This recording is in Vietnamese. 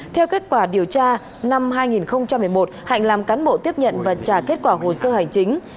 theo kết quả điều tra năm hai nghìn một mươi một hạnh làm cán bộ tiếp nhận và trả kết quả hồ sơ hành chính